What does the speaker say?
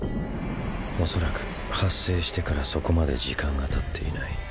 おそらく発生してからそこまで時間がたっていない。